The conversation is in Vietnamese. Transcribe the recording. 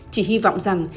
chỉ hy vọng rằng